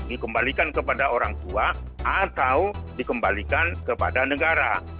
dikembalikan kepada orang tua atau dikembalikan kepada negara